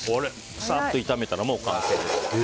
サッと炒めたら、もう完成です。